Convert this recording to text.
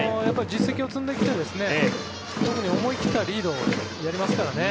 実績を積んできて特に思い切ったリードをやりますからね。